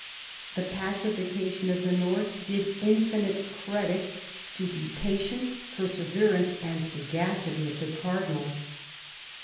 The pacification of the north did infinite credit to the patience, perseverance, and sagacity of the cardinal.